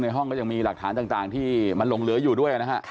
ในห้องจะมีหลักฐานต่างที่มันหลงเหลืออยู่ด้วย